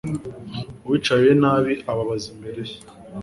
uwicaye nabi ababaza imbere ye